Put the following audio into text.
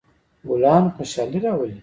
ګلان خوشحالي راولي.